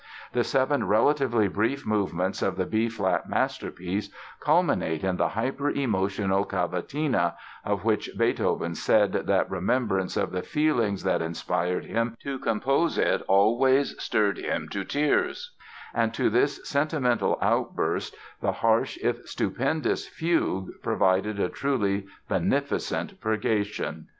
The seven relatively brief movements of the B flat masterpiece culminate in the hyper emotional Cavatina (of which Beethoven said that remembrance of the feelings that inspired him to compose it always stirred him to tears); and to this sentimental outburst the harsh if stupendous fugue provided a truly beneficent purgation.